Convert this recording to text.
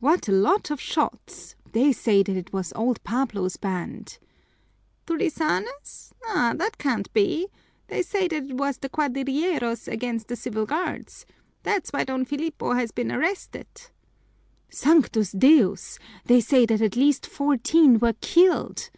"What a lot of shots! They say that it was old Pablo's band." "Tulisanes? That can't be! They say that it was the cuadrilleros against the civil guards. That's why Don Filipo has been arrested." "Sanctus Deus! They say that at least fourteen were killed."